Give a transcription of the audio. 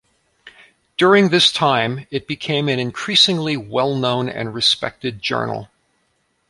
During this time, it became an increasingly well-known and respected journal.